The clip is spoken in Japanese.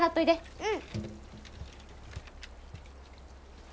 うん。